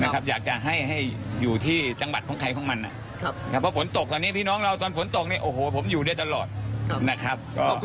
ขอบคุณนะครับครับอนดีครับ